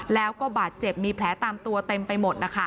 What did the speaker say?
แล้วก็บาดเจ็บมีแผลตามตัวเต็มไปหมดนะคะ